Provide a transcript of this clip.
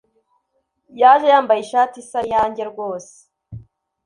Yaje yambaye ishati isa niyange rwose